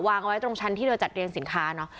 วางไว้ตรงชั้นที่เธอจัดเรียงสินค้าเนอะ